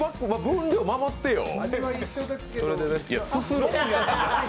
分量守ってよ。